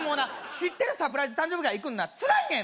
知ってるサプライズ誕生日会行くのはつらいねん！